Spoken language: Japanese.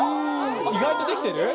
意外とできてる？